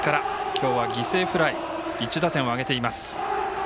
今日は犠牲フライ１打点を挙げています。